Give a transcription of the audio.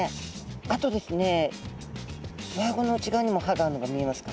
あとですねうわあごの内側にも歯があるのが見えますか？